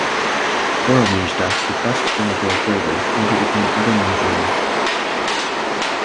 Boromir's death depressed Denethor further, and he became ever more grim.